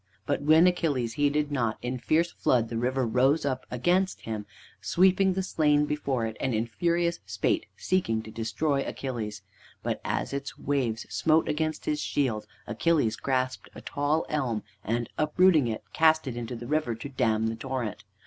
But when Achilles heeded not, in fierce flood the river up rose against him, sweeping the slain before it, and in furious spate seeking to destroy Achilles. But as its waves smote against his shield, Achilles grasped a tall elm, and uprooting it, cast it into the river to dam the torrent.